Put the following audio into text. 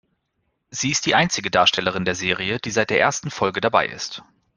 Sie ist die einzige Darstellerin der Serie, die seit der ersten Folge dabei ist.